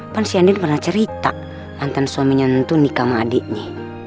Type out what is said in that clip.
kan si andin pernah cerita mantan suaminya nentu nikah sama adiknya